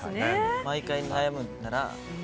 毎回悩むなら。